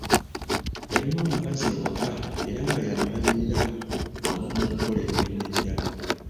Yalina omukozi ewaka era nga y'amulabirira wamu n'okukola emirimu emirala.